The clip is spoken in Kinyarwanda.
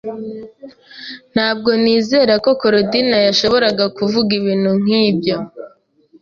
Ntabwo nizera ko Korodina yashoboraga kuvuga ibintu nkibyo.